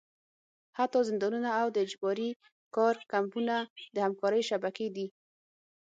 حتی زندانونه او د اجباري کار کمپونه د همکارۍ شبکې دي.